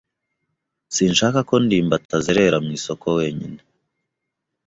Sinshaka ko ndimbati azerera mu isoko wenyine.